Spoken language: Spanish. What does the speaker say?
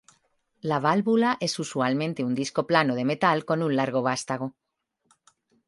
La válvula es usualmente un disco plano de metal con un largo vástago.